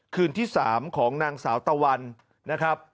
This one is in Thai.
คืนที่๓ของนางสาวตะวันนะครับ